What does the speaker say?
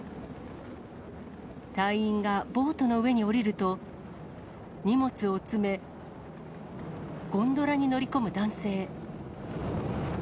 隊員がボートの上に降りると、荷物を詰め、ゴンドラに乗り込む男性。